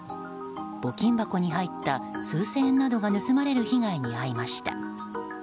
募金箱に入った数千円などが盗まれる被害に遭いました。